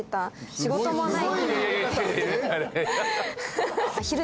仕事もない。